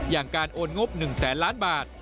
อย่างการโอนงบ๑แสนล้านบาท